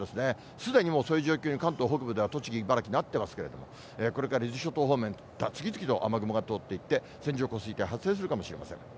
すでにもうそういう状況に、関東北部では、栃木、茨城、なってますけれども、これから伊豆諸島方面、次々と雨雲が通っていって、線状降水帯発生するかもしれません。